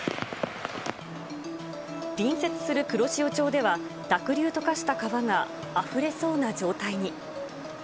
隣接する黒潮町では、濁流と化した川があふれそうな状態に。